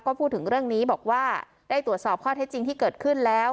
ก็พูดถึงเรื่องนี้บอกว่าได้ตรวจสอบข้อเท็จจริงที่เกิดขึ้นแล้ว